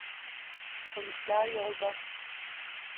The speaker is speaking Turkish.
Polisler yolda.